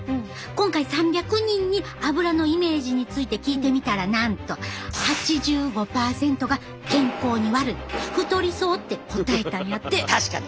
今回３００人にアブラのイメージについて聞いてみたらなんと８５％が健康に悪い太りそうって答えたんやって。